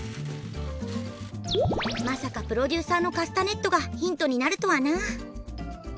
まさかプロデューサーのカスタネットがヒントになるとはな。